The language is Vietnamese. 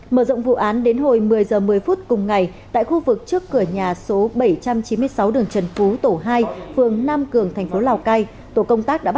mở rộng vụ án đến hồi một mươi h một mươi phút cùng ngày tại khu vực trước cửa nhà số bảy trăm chín mươi sáu đường trần phú tổ hai phường nam cường thành phố lào cai